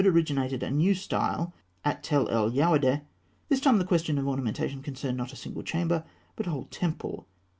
originated a new style at Tell el Yahûdeh. This time the question of ornamentation concerned, not a single chamber, but a whole temple.